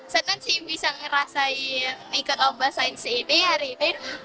saya tidak bisa merasakan kegiatan saya hari ini